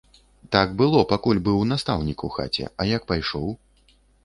Так было, пакуль быў настаўнік у хаце, а як пайшоў?